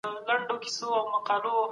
مناسب معاش د کارګرانو هڅونه ډېروي.